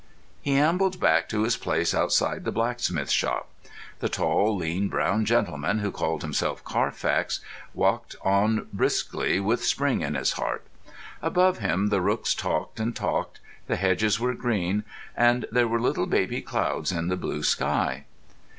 He ambled back to his place outside the blacksmith's shop. The tall, lean, brown gentleman, who called himself Carfax, walked on briskly with spring in his heart. Above him the rooks talked and talked; the hedges were green; and there were little baby clouds in the blue sky.